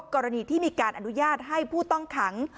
กรณีที่มีการอนุญาตให้ผู้ต้องขัง